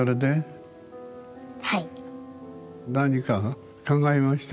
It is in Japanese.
何か考えました？